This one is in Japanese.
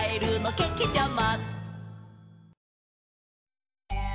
けけちゃま！